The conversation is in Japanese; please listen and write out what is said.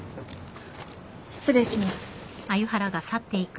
失礼します。